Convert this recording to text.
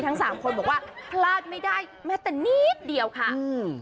ทั้งสามคนบอกว่าพลาดไม่ได้แม้แต่นิดเดียวค่ะอืม